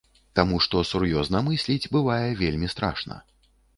Таму што сур'ёзна мысліць бывае вельмі страшна.